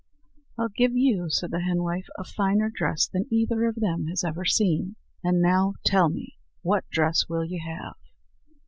"I'll give you," said the henwife, "a finer dress than either of them has ever seen. And now tell me what dress will you have?"